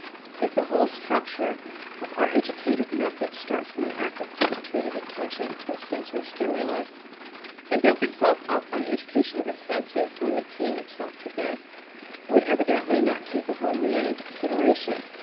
If the whole structure of our educative method starts from an act of concentrated attention to a sensory stimulus, and builds itself up on the education of the senses, limiting itself to this, it would evidently not take the whole man into consideration.